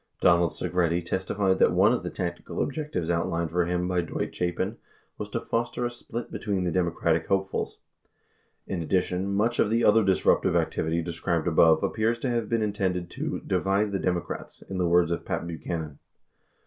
Donald Segretti testified that one of the tactical objectives outlined for him by Dwight Chapin was "to foster a split between the Demo cratic hopefuls." 83 In addition, much of the other disruptive activity described above appears to ha\ T e been intended to "divide the Demo crats," in the words of Pat Buchanan.